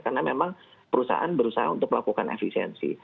karena memang perusahaan berusaha untuk melakukan efisiensi